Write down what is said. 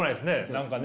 何かね。